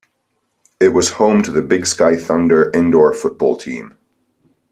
It was home to the Big Sky Thunder indoor football team.